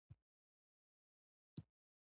د یوې ډلې کار دیني او د بلې غیر دیني نه دی.